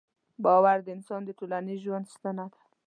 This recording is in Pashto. باور د انسان د ټولنیز ژوند ستنه ده.